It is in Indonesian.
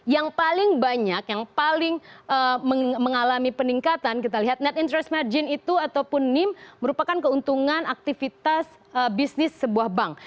yang paling banyak yang paling mengalami peningkatan kita lihat net interest margin itu ataupun nim merupakan keuntungan aktivitas bisnis sebuah bank